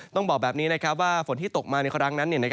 ต้องบอกแบบนี้นะครับว่าฝนที่ตกมาในกรางนั้น